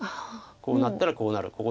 こうなったらこうなる。